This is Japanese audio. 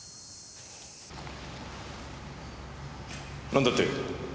なんだって？